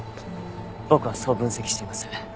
僕はそう分析しています。